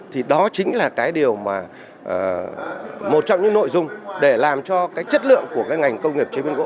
thì đó chính là một trong những nội dung để làm cho chất lượng của ngành công nghiệp chế biến gỗ